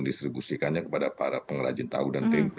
distribusikannya kepada para pengrajin tauhutat mp